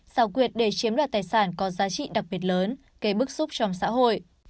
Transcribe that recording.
xào quyệt để chiếm đoạt tài sản có giá trị đặc biệt lớn gây bức xúc trong xã hội